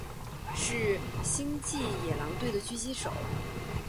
是星际野狼队的狙击手。